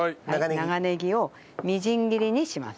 長ネギをみじん切りにします。